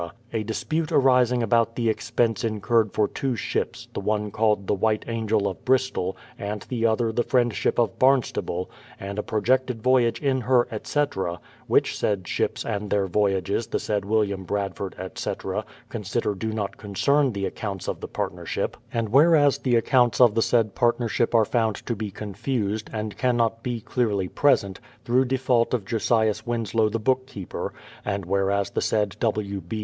a dispute arising about the expense incurred for two ships, the one called the White Angel of Bristol, and the other the Friendship of Barnstable, and a projected voyage in her, etc.; which said ships and their voyages the said William Bradford, etc., consider do not concern the accounts of the partnership ; and whereas the accounts of the said partnership are found to be confused, and cannot be clearly present, through default of Josias Winslow the bookkeeper, and whereas the said W. B.